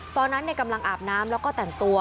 ตอนนั้นกำลังอาบน้ำแล้วก็แต่งตัว